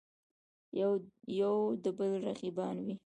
یودبل رقیبان وي.